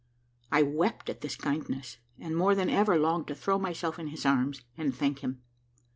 I wept at this kindness, and more than ever longed to throw myself in his arms, and thank him.